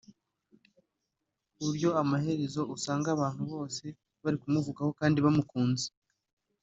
ku buryo amaherezo usanga abantu bose bari kumuvugaho kandi bamukunze